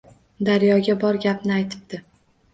Daryoga bor gapni aytibdi